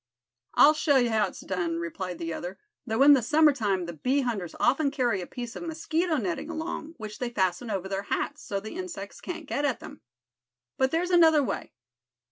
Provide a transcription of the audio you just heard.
"I'll show you how it's done," replied the other, "though in the summer time the bee hunters often carry a piece of mosquito netting along, which they fasten over their hats, so the insects can't get at them. But there's another way.